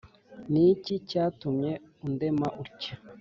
Ni iki cyatumye undema utya?